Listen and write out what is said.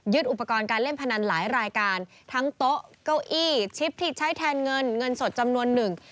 อุปกรณ์การเล่นพนันหลายรายการทั้งโต๊ะเก้าอี้ชิปที่ใช้แทนเงินเงินสดจำนวนหนึ่ง